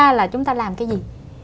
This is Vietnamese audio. không đi ra là chúng ta làm cái gì